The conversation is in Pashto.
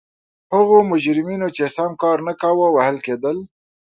هغو مجرمینو چې سم کار نه کاوه وهل کېدل.